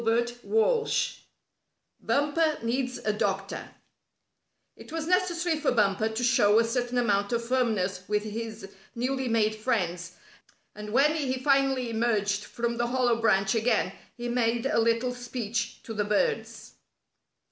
STORY XIII BUMPER NEEDS A DOCTOR It was necessary for Bumper to show a certain amount of firmness with his newly made friends, and when he finally emerged from the hollow branch again he made a little speech to the birds.